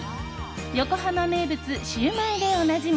横浜名物シウマイでおなじみ！